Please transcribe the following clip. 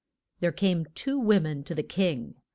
There came two wo men to the king.